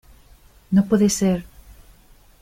no puede ser.